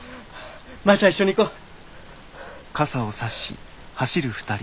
マヤちゃん一緒に行こう。